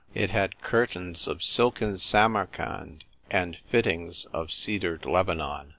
It had curtains of silken Samarcand, and fittings of cedared Lebanon.